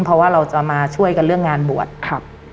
เพราะว่าเราจะมาช่วยกันเรื่องงานบวชครับ